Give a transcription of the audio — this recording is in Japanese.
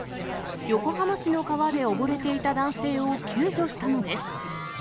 横浜市の川で溺れていた男性を救助したのです。